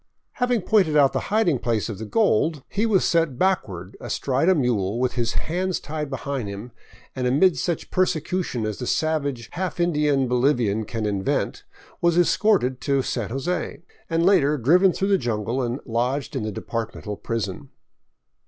Having pointed out the hiding place of the gold, he was set backward astride a mule with his hands tied behind him and, amid such persecution as the savage, half Indian Bolivian can invent, was escorted to San Jose, and later driven through the jungle and lodged in the departmental prison.